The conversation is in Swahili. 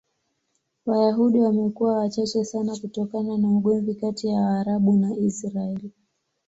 Wayahudi wamekuwa wachache sana kutokana na ugomvi kati ya Waarabu na Israel.